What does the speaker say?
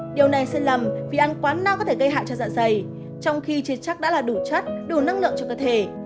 điều này xin lầm vì ăn quá no có thể gây hại cho dạ dày trong khi chết chắc đã là đủ chất đủ năng lượng cho cơ thể